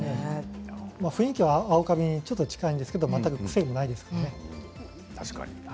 雰囲気は青カビに近いんですけど全く癖がないですね。